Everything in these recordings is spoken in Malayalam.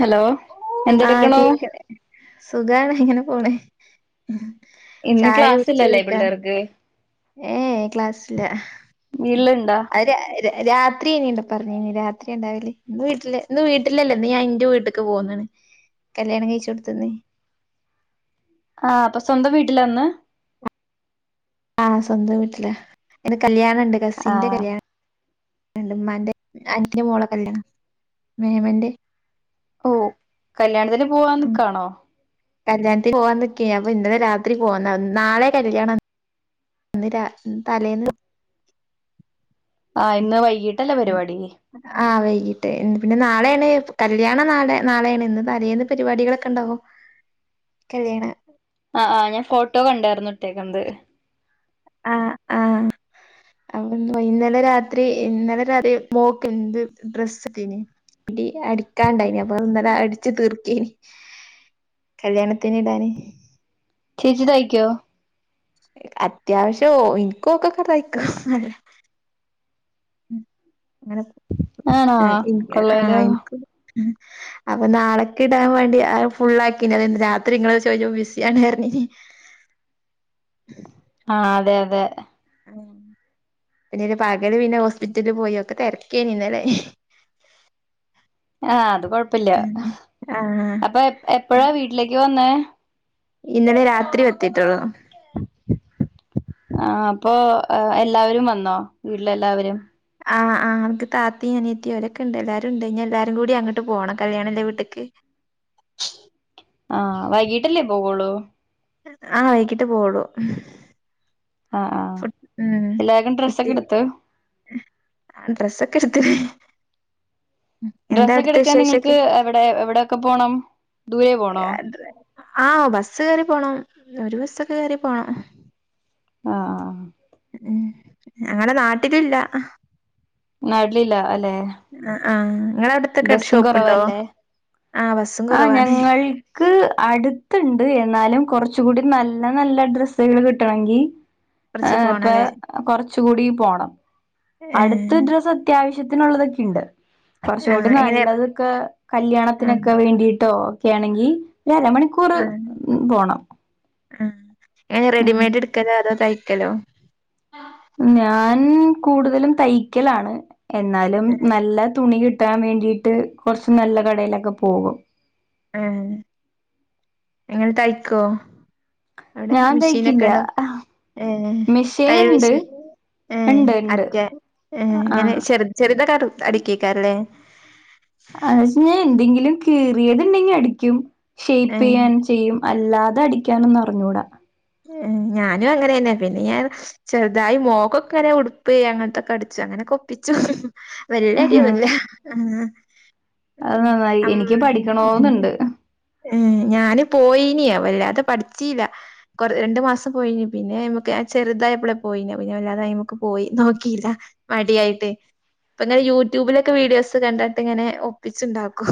ഹലോ ആഹ് എന്തെടുക്കണു കേക് സുഖാണ് ഇങ്ങനെ പോണ്. ഉം ഇന്ന് ക്ലാസ്ല്ല്ല ല്ലേ പിള്ളേർക്ക്? ഏ ക്ലാസില്ല വീട്ടിലുണ്ടാ അവര് രാത്രി ഇനി ഇണ്ടോ പറഞ്ഞ ഇനി രാത്രി ഉണ്ടാവില്ലേ ഇന്ന് വീട്ടില് ഇന്ന് വീട്ടിലല്ലേന്ന് ഞാൻ എന്റെ വീട്ടക്ക് പോകുന്നാണ് കല്യാണം കഴിച്ച കൊടുത്തന്ന് ആഹ അപ്പൊ സ്വന്തം വീട്ടിലന്ന് ആഹ സ്വന്തം വീട്ടില്ല എന്നെ കല്യാണം രണ്ട് കസിൻന്റെ ആഹ് കല്യാണം എന്റുമ്മന്റെ അന്റെ മോളെ കല്യാണം മേമന്റെ ഓ കല്യാണത്തിന് പോവാ നിക്കാണോ കല്യാണത്തി പോകവാൻ നിക്കാണ് അപ്പൊ ഇന്നലെ രാത്രി പോകന്ന നാളെ കല്യാണം ഇന്ന് രാ ഇന്ന് തലേന്ന് ആഹ ഇന്ന് വൈകീട്ടല്ലേ പരിപാടി ട്ട് പിന്നെ നാളെയാണ് കല്യാണ നാളെ നാളെയാണ് ഇന്ന് തലേന്ന പരിപാടികളൊക്കെ ഉണ്ടാവോ കല്യാണ ആഹ് ആഹ് ഞാൻ ഫോട്ടോ കണ്ടായിരുന്നു ഇട്ടേക്കുന്നത് ആഹ ആഹ അ ഇന്നലെ രാത്രി ഇന്നലെ രാത്രി മോക്ക് എന്ത് ഡ്രസ് തീ അടിക്കാണ്ടായിന അപ്പൊ ഇന്നലെ അടിച്ചു തീർക്കിയേന് കല്യാണത്തിന് ഇടാണ് ചേച്ചിതായ്ക്കോ അത്യാവശ്യോ എനിക്കും ഒക്കെ തയ്ക്കാ ഉം അ ആണോ ആ എ ആ കൊള്ളാലോ എനിക്ക് ഉം. അപ്പൊ നാളെക്ക് ഇടാൻ വേണ്ടി ഫുള്ളാക്കി രാത്രി നിങ്ങളോട് ചോദിച്ചപ്പം ബിസിയാണ് പറഞ്ഞ്. ആ അതെ അതെ പിന്നെ ഒരു പകല് പിന്നെ ഹോസ്പിറ്റലില് പോയി ഒക്കെ തിരക്കേ ഇന്നല്ലേ? ആ അത് കൊഴപ്പില്ല. ആഹ് അപ്പൊ എപ്പഴാ വീട്ടിലേക്ക് വന്നേ? ഇന്നലെ രാത്രി എത്തിട്ടേയുള്ളു. ആ അപ്പൊ എല്ലാവരും വന്നോ? വീട്ടിലെ എല്ലാവരും? ആ ആ താത്തി അനിയത്തി അവരൊക്കെ ഇണ്ട് എല്ലാരും ഇണ്ട് എല്ലാരും കൂടി അങ്ങോട്ട് പോണം കല്യാണല്ല വീട്ടേക്ക്. ആ വൈകീട്ടല്ലേ പോവോളൂ? ആ വൈക്കിട്ടേ പോവുള്ളു. ആ ആ ഫ ഉം എല്ലാവർക്കും ഉറ്റി ഡ്രസ്സൊക്കെ എടുത്ത് ആ ഡ്രസ്സ് [unintelligible] ഡ്രസ്സൊക്കെ എടുക്കാൻ നിങ്ങൾക്ക് എവിടെ എവിടൊക്കെ പോണം? ദൂരെ പോണോ? ആഹ് ബസ്സ് കേറി പോണം ഒരു ബസ് ഒക്കെ കേയറി പോണം. ആ ഉം. ഞങ്ങടെ നാട്ടിലില്ല. നാട്ടിലില്ല അല്ലെ? ആ ബസും കുറവാ അല്ലേ? ആഹ് ബസ്സും ആ കുറവാണ് ഞങ്ങൾക്ക് അടുത്തുണ്ട് എന്നാലും കുറച്ചുകൂടി നല്ല നല്ല ഡ്രസ്സുകള് കിട്ടണഎങ്കി ഏ കൊറച്ച് ഇപ്പൊ പോണല്ലേ കൊറച്ച് കൂടി പോണം. ഏഹ് അടുത്ത ഡ്രസ് അത്യ ആവശ്യനുള്ളതൊക്കെയുണ്ട്. കുറച്ചും കൂടി ആഹ് എങ്ങനെ നല്ലതൊക്കെ ആഹ് കല്യാണത്തിനൊക്കെ വേണ്ടിട്ടോ ക്കയാണെങ്കി അരമണിക്കൂർ ആഹ് പോണം ആഹ് ഉം ഹലോ ഞാൻ കൂടുതലും തയ്ക്കലാണ്. എന്നാലും ഏഹ് നല്ല തുണി കി തൻ വേണ്ടിട്ട് കുറച്ച് നല്ല കടയിലൊക്കെ പോകും. നിങ്ങള് തയ്ക്കോ? അവിടെ ഞാൻ മെഷീനെക്കെ തയ്ക്കില്ല ഉണ്ടോ? ഏ തയൽ മെഷീന്ണ്ട് മെഷീൻ ഏ ഇണ്ട് ഇണ്ട് അറ്റ ഏ ഇങ്ങനെ ആഹ് ചെ ചെറുത കർ അടക്കിവെയ്ക്കാറില്ലേ? ക്ഷേ ഞാൻ എന്തെങ്കിലും കീറിയത്ണ്ടെങ്കി അടിക്കും ഏഹ് ഷെയ്പ്പെയ്യാൻ ചെയ്യും അല്ലാതെ അടിക്കാനൊന്ന് അറിഞ്ഞൂടാ ഉം ഞാനും അങ്ങനെ തന്നെ പിന്നെ ഞാൻ ചെറുതായി മോക്കൊങ്ങനെ ഉടുപ്പ് അങ്ങനത്തൊക്കെ അടിച്ചു അങ്ങനെക്കെ ഒപ്പിച്ചു വല്ലടിയൊന്നുല്ല അത് നന്നായി എനിക്ക് പഠിക്കണോന്നിണ്ട് പോയിനി അവല്ലാതെ പഠിച്ചീല കൊറ രണ്ടു മാസം പോയിഞ് പിന്നെ നമുക്ക് ചെറുതായപ്പോളെ പോയി പിന്നെ വല്ലാതായിമമ്മുക്ക് പോയി നോക്കിയില്ല മടിയായിട്ട് ഇപ്പ ഇങ്ങനെ യൂട്യൂബിലൊക്കെ വീഡിയോസ് കണ്ടട്ട് ഇങ്ങനെ ഒപ്പിച്ചുണ്ടാക്കും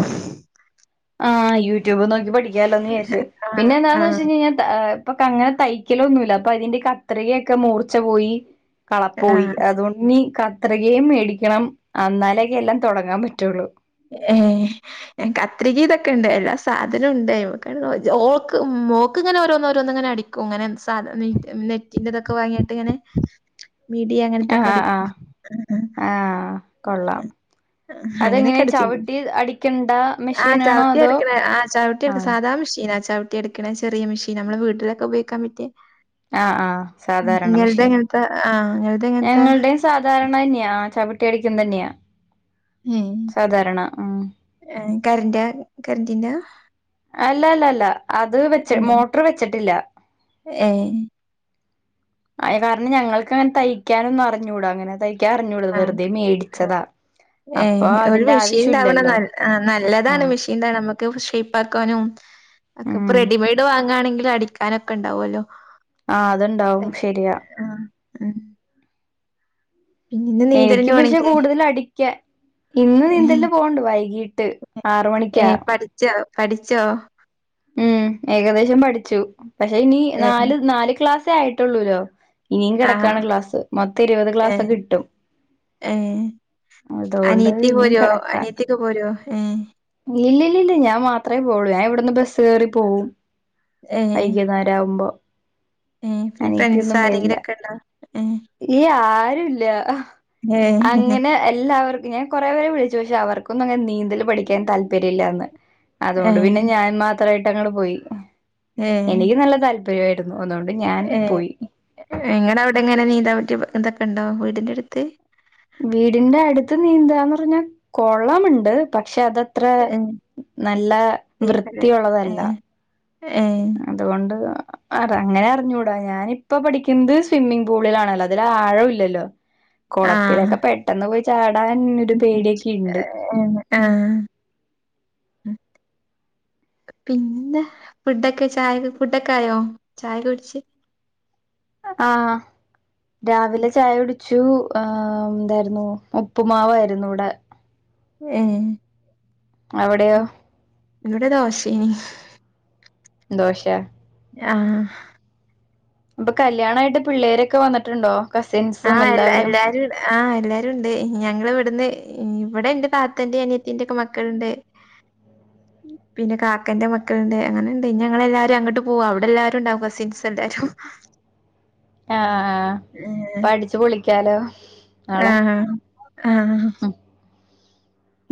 ആ യൂട്യൂബ് നോക്കി പഠി ക്കാലോന്ന് വിചാരിച്ച് ആഹ് പിന്നെന്താന്ന് ആഹ് വെച്ച് കഴിഞ്ഞ താ പ്പൊങ്ങനെ തയ്ക്കലൊന്നുല്ല അപ്പൊ അതിന്റെ കത്രികയൊക്കെ മൂർച്ച പോയി കളപ്പോയി ആഹ് അതുകൊണ്ടിനി കത്രികയും മേടിക്കണം അന്നാലേക്കെ എല്ലാം തൊടങ്ങാൻ പറ്റുള്ളൂ ഏ കത്രിക ഇതൊക്കെ ഉണ്ട് എല്ലാ സാധനം ഉണ്ട് ഓക്ക് മോക്ക് ഇങ്ങനെ ഓരോന്നോരോന്നിങ്ങനെ അടിക്കും അങ്ങനെ [unintelligible] നിതൊക്കെ വാങ്ങിയിട്ട് ഇങ്ങനെ മിടി അങ്ങനെത്തൊക്കെ ആഹ് അടിക്കും ആഹ് ഉം ആഹ് കൊള്ളാം ഉം ഹങ്ങനെ അതെങ്ങനെ ചവിട്ടി അടിക്കണ്ട ആ മെഷീനാണോ ചവിട്ടി അതോ എടുക്കണ ആ ചവിട്ടി എടുക്ക ആഹ് സാധാ മെ ഇനാ ചവിട്ടി അടിക്കണ ചെറിയ മെഷീൻ നമ്മട വീട്ടിലൊക്കെ ഉപയോഗിക്കാൻ പ ആ ആ സാധാരണ മെഷീൻ. എങ്ങനത്തെ ആഹ് ഇങ്ങൾത് എങ്ങനത്തെ ഞങ്ങൾടെയും സാധാരണന്നെയാ ചവിട്ടി അടിക്കുന്ന തന്നെയാ സാധാരണ ഉം കറിന്റ കറന്റിന്റ അല്ലല്ലല്ല അത് വെച്ച് ഏഹ് മോട്ടർ വെച്ചിട്ടില്ല ഏഹ് അ കാരണം ഞങ്ങൾക്ക് അങ്ങനെ തയ്ക്കാനൊന്നും അറിഞ്ഞൂടാ അങ്ങനെ തയ് ആ ഏ അപ്പൊ ഒരു അതിന്റെ ആവശ്യം മെഷീൻണ്ടാവണം ഇല്ലല്ലോ ന നല്ലതാണ് ആഹ് മെഷീൻ നമ്മുക്ക് ഷെയിപ്പാക്കാനും ഒക്കെ ഇപ്പൊ ഉം റെഡിമേഡ് വാങ്ങാണെങ്കിൽ അടിക്കാനൊക്കെ ഉണ്ടാവുല്ലോ ആ അതുണ്ടാവും ശരിയാ ഉം പിന്നെ ഇന്ന് എനിക്ക് നീന്തലിന് പക്ഷെ പോണില്ലേ കൂടുതലടിക്ക ഇന്ന് നീന്തലിന് പോകിണ്ട് വൈകീട്ട് ആറ്മണിക്കാ ഏഹ് പഠിച്ചോ പഠിച്ചോ ഉം ഏകദേശം പഠിച്ചു പക്ഷെ ഇനി ഏഹ് നാല് നാല് ക്ലാസ് ആയിട്ടുള്ളൂല്ലോ ഇനിയും ആഹ് കിടക്കാണ് ക്ലാസ്സ് മത്ത ഇരുപത് ഗക്ലാസ് ഏഹ് കിട്ടും ഏഹ് അതുകൊണ്ട് അനിയത്തി ഇനിയും പോരോ കിടക്കാ അനിയത്തിയൊക്കെ പോരോ ഏഹ് ഇല്ല ഇില്ല ഞാൻ മാത്രേ പോള്ളൂ ഞാൻവിടുന്ന് കേറി പോകവും വൈകുന്നേരം ആവുമ്പോ ഏ പിന്നെ ഫ്രണ്ട്സ് അനിയത്തിയൊന്നും വരില്ല ആരെങ്കിലുംക്കെ ഉണ്ടോ ഏ അല്ല അങ്ങനെ എല്ലാവർക്കും ഞാൻ കുറേ പേരെ വിളിച്ചു പക്ഷെ അവർക്കൊും അെ നീ പഠിക്കാൻ താല്പര്യമല്ലന്ന് അതുകൊണ്ട് ഏഹ് പിന്നെ ഞാൻ എത്രായിട്ട് അങ്ങടെ പോയി എനിക്ക് നല്ല താല്പര്യമായി അാണ് ഏ നിങ്ങടെ അവിടെ എങ്ങനെ നീന്താൻ പറ്റി എന്തൊക്കെ ഉണ്ടോ വീടിന്റെ അടുത്ത് വീടിന്റെ അടുത്ത് നീന്താന്ന് പറഞ്ഞാ കൊള്ളമുണ്ട് പക്ഷെ അത അത്ര ഏഹ് നല്ല ഏഹ് വൃത്തിയള്ളതല്ല ഏഹ് അതുകൊണ്ട് അ അങ്ങനെ അറിഞ്ഞൂടാ ഞാാനിപ്പ പഠിക്കുന്നത് സ്വിമ്മിംഗ പൂളിലാണല്ലോ അതില ആഴം ഇല്ലല്ലോ ആഹ് കൊളത്തിലൊക്കെ പെട്ടെന്ന് പോയ് ചാട് ടാനൊരു പേടിയൊക്കെ ഇണ്ട് ആഹ് പിന്നെ ഫുഡൊക്കെ ചായ ഫുഡൊക്കെ ആയോ ചായ കുടിച്ച് ആ രാവിലെ ചായ കുടിച്ചു ശൂ ആ എന്തായിരുന്നു? ഉപ്പുമാവായിരുന്നു ഇവടെ. ഏ എവടെയോ ഇവടെ ദോശേനി ദോശ ആഹ് അപ്പ കല്യാണായിട്ട് പിള്ളേരൊക്കെ വന്നിട്ടുണ്ടോ? ആഹ് എല്ല എല്ലാവരും ആ എല്ലാരും ഉണ്ട്. ഞങ്ങള് ഇവിടുന്ന് ഇവിടെന്റെ താത്തന്റെ അനിയത്തിന്റെ ഒക്കെ മക്കള്ണ്ട്. പിന്നെ കാക്കന്റെ മക്കള്ണ്ട്. അങ്ങനെണ്ട് ഇഞ്ഞി ഞങ്ങളെല്ലാരും അങ്ങട്ട് പൂവാ. അവിടെ എല്ലാരും ഉണ്ടാവും. കസിൻസ് എല്ലാരും. ആ ആ പ്പടി ച്ചു പൊളിക്കാലോ ആ നാളെ ആ ആ ഉം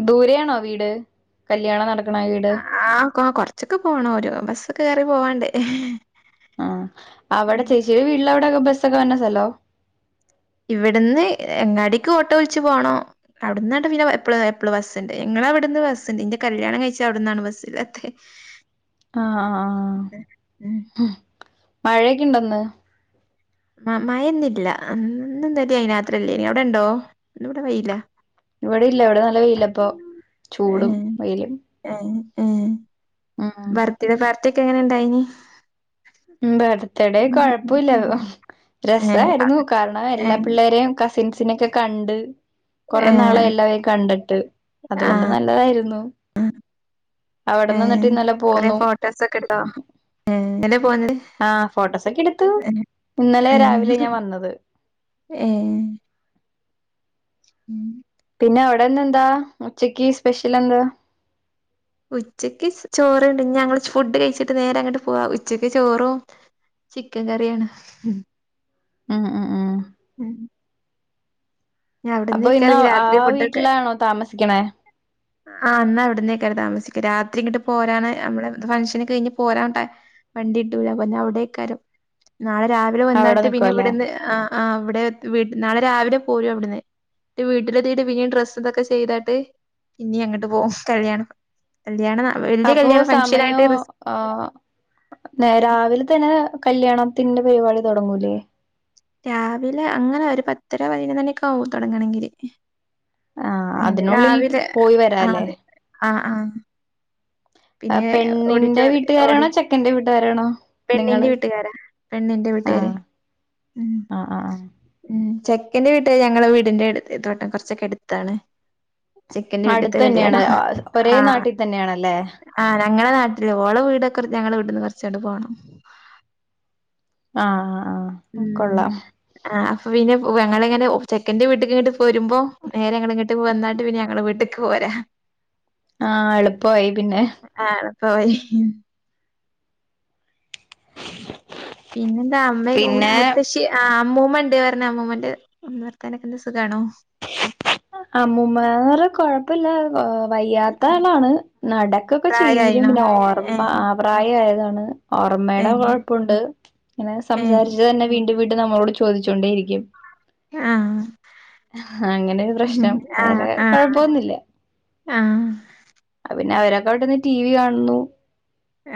ദൂരെയാണോ വീട് കല്യാണം നട അ ആ കോ കൊറ കൊറച്ചൊക്കെ പോണം. ഒര് ബസ്സൊക്കെ കേറി പോവാണ്ട്. ആ അവടെ ചേച്ചീടെ വീട്ടിൽ അവ ടെ ബസ്സൊക്കെ വരുന്ന സ്ഥലോ ഇവിടുന്ന് എങ്ങാടേക്ക് ഓട്ടോ വിളിച്ചു പോണോ അവിടന്നാണ്ട് പിന്നെ എപ്പള് എപ്പള് ബസ് ഇണ്ട്. ഇങ്ങളവിടുന്ന് ബസ്ണ്ട്. ഇന്റെ കല്യാണം കഴിച്ച അവിടന്നാണ് ബസ് ഇല്ലാത്ത്. ആഹ് ആഹ് ആഹ് ഹ് മഴയൊക്കെ ഉണ്ടോ ഇന്ന് മയ ഇന്നില്ല. ഇന്നും ഇന്നലെ രാത്രീം ഇല്ലേനിം അവിടേണ്ടോ? ഇന്ന് ഇവടെ വെയിലാ ഇവിടെ ഇല്ല. ഇവിടെ നല്ല വെയിലാപ്പോ. ചൂടും ഏഹ് വെയിലും. ഏഹ് ഏഹ് ഉം ബർത്ത്ഡേ പാർ ട്ടിയൊക്കെ എങ്ങനെ ഇണ്ടായിനി? ബർത്ത്ഡേ കൊഴപ്പൂല്ല. ഏഹ് രസായിരുന്നു കാരണം എല്ലാ ഏഹ് പിള്ളേരേം കസിൻ സിനെയൊക്കെ കണ്ട് കൊറെ ഏഹ് നാളായി എല്ലാവരേം കണ്ടിട്ട് ആഹ് ഏഹ് കൊറെ ഫോട്ടോസൊക്കെ എടുത്തോ ഏഹ് എങ്ങട്ടേ പോന്നത് ആ ഫോട്ടോസൊക്കെ എടുത്തു. ഏഹ് ഇന്നലെ ഏഹ് രാവിലെ ഞാൻ വന്നത്. ഉം പെഷ്യൽ എന്താ ഉച്ചക്ക് ചോറുണ്ട് ഞങ്ങള് ഫുഡ് കഴിച്ചിട്ട് നേരെ അങ്ങട്ട് പോവാ ഉച്ചക്ക് ചോറും ചിക്കൻ കറിയാണ് ഉം ആ ആ ആ ഉം അപ്പൊ ഇന്ന് രാത്രി ആ വീട്ടിലാണോ താമസിക്കണേ ആ എന്നാ അവിടന്നേക്കാ താമസിക്കും രാത്രി ഇങ്ങിട്ട് പോരാന് നമ്മെ ഫംഗ്ഷന് ഒക്കെ കഴിഞ്ഞ് പോരാൻ വണ്ടി ട്ടൂല അപ്പ അവിടേക്കാരും നാളെ രാവിലെ അവിടെ വന്നിട്ട് പിന്നെ നിക്കുവല്ലേ ഇവിടുന്ന് ആ ആഹ് അവിടെ വീട്ട് നാളെ രാവിലെ പോരും അവിടുന്ന് വീട്ടിലെത്തിട്ട് പിന്നെ ഡ്രസ്സ് ഇതൊക്കെ ചെയ്തട്ട് ഇനി അങ്ങട്ട് പോകും കഴിയണം അപ്പോ സമയോ ആ നേ രാവിലെ തന്നെ കല്യാണത്തിന്റെ പരിപാടി തുടങ്ങൂലേ രാവിലെ അങ്ങനെ ഒരു പത്തര പത് ആഹ് അതിനുള്ളിൽ പോയി വരാല്ലേ ആഹ് ആഹ് പിന്നെ പെണ്ണിന്റെ ഓഡിറ്റോറിയ ഓഡി വീട്ടുകാരാണോ ചെക്കന്റെ വീട്ടുകാരാണോ പെണ്ണിന്റെ നിങ്ങള് വീട്ടുകാരാ പെണ്ണിന്റെ വീട്ടുകാര് ആഹ് ഉം ആഹ് ആഹ് ആഹ് ഉം ചെക്കന്റെ വീട്ഞങ്ങള്ക്കെ വീടിന്റെ അടുത്താണ്കുറച്ചൊക്കെ അടുത്താണ് ചെക്കന്റെ വീട്ട്ത്തെ അടുത്ത് ന്നെയാണ് ഒരേ നാട്ടിൽ തന്നെയാണല്ലേ ആഞ ഞങ്ങളെ നാട്ടില് ഓള വീടെക്ക ഞങ്ങള് വീടിന്ന് കൊറച്ചെങ്ങട് പോകണം ആ ആ ആ കൊള്ളാം ആ അപ്പൊ പിന്നെ പെങ്ങള ങ്ങനെ ചെക്കൻന്റെ വീട്ടിക്ക് ങ്ങട്ട് വരുമ്പോനേ ട്ടക്ക് വന്നാട്ട് പിന്നെ ഞങ്ങള വീട്ടിലക്ക് പോരാ ആഹ എളുപ്പയി പിന്നെ ഓയി [inaudible] പിന്നെ ന്താ അമ്മയെക്കെ പിന്നെ മുത്തശ്ശി ആ അമ്മൂമ്മ ഉണ്ടേ പറഞ്ഞ അമ്മൂമ്മന്റെ വർത്താനൊക്കെന്ത സുഖമാണോ അമുമാര്കൊഴപ്പല്ല ആ വയ്യാത്ത ആളാണ് നടക്കൊക്കെ ചെയ്യെങ്കിലും പ്രായായിണോ പിന്നെ ഏ ഓർമ്മ ആ പ്രായമായതാണ് അ ഏ ഓർമ്മയടെ കൊഴപ്പണ്ട് ഇങ്ങനെ ഏ സംസാരിച്ച്ു തന്നെ വീണ്ടും വീട്ട് നമ്മളോട് ചോദിച്ചൊണ്ടേ ഇരിക്കും ആഹ അങ്ങനെ ഒരു പ്രശ്നം ആ വേറെ ആ കൊഴപ്പൊന്നില്ല ആ പിന്നെ അവരെ വിടെന്ന് ടി വി കാണുന്നു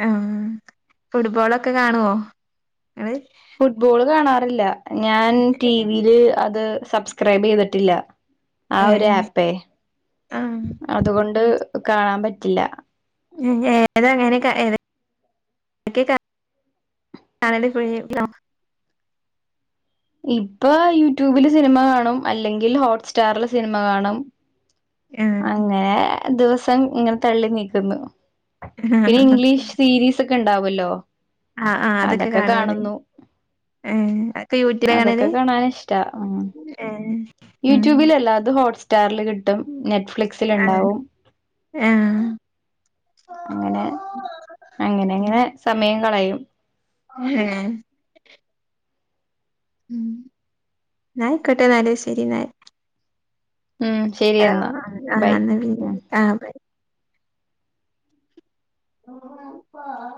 ആ ഫുട്ബോൾൊക്കെ കാണുവോ നിങ്ങള് ഫുട്ബോൾ കാണാ അല്ല ഞാൻ ഏ ടിവിൽ അത് സബ്സ്ക്രൈബ് ചെയ്തിട്ടില്ല ആ ഒരു ആപ്പേ ആ അതുകൊണ്ട് കാണാൻ പറ്റില്ല ഏതങ്ങനെ ഏതഴ [inaudible] ഇപ്പൊ യൂട്യൂബില് സിനിമ കാണും അല്ലെങ്കിൽ ഹോട്ട്സ്റ്റാറിലെ സിനിമ കാണും മു അങ്ങനെ ദിവസം ഇങ്ങനെ തള്ളി നീക്കുന്നു പിന്നെ ഇംഗ്ലീഷ് സീരീസ് ഒക്കെ ഒക്ക ഉണ്ടാവല്ലോ ആ, ആ, അതൊക്കെ കാണുവല്ലേ യൂട്യൂബിലാ അതൊക്കെ കാണല് കാണൻ ഇഷ്ടാ, ഉം ഏ ഉം യൂട്യൂബിലല്ല അത് ഹോട്ട്സ് സ്റ്റാറിൽ കിട്ടും നെ നറ്റ്ഫ്ലിക്സിൽ ആ ഉണ്ടാവും ആ അങ്ങനെ അങ്ങനെ അങ്ങനെ സമയം കളയും ആ ഉം, [unintelligible] ഉം ശരി ആ, എന്നാ ബൈ ഉം ആ [unintelligible]